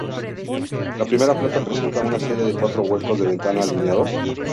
La primera planta presenta una serie de cuatro huecos de ventana alineados.